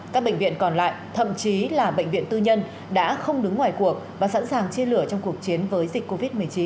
các bệnh viện còn lại thậm chí là bệnh viện tư nhân đã không đứng ngoài cuộc và sẵn sàng chia lửa trong cuộc chiến với dịch covid một mươi chín